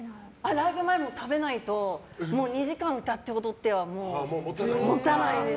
ライブ前も食べないと２時間歌って踊ってはもたないんです。